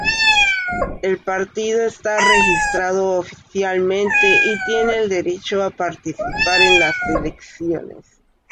El partido está registrado oficialmente y tiene el derecho a participar en las elecciones.